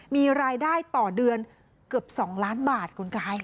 มีรายได้ต่อเดือนเกือบ๒ล้านบาทคุณกายค่ะ